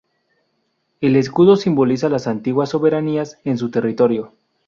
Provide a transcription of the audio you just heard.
El escudo simboliza las antiguas soberanías en su territorio.